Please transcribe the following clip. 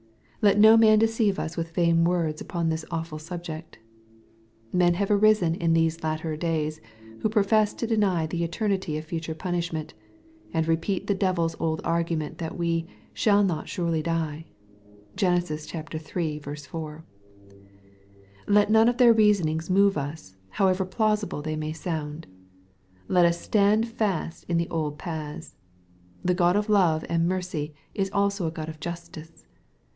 Let no man deceive us with vain words upon this awful subject. Men have arisen in these latter days, who profess to deny the eternity of future punishment, and repeat the devil's old argument, that we " shall not surely die." (Gen. iii. 4.) Let none of their reasonings move us, however plausible they may sound. Let us «tand fast in the old paths. The God of love and mercy is also a God of justice.